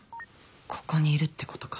ここにいるってことか。